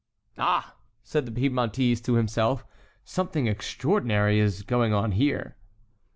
"Ah!" said the Piedmontese to himself. "Something extraordinary is going on here!"